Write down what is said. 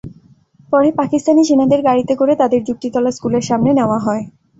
পরে পাকিস্তানি সেনাদের গাড়িতে করে তাঁদের যুক্তিতলা স্কুলের সামনে নেওয়া হয়।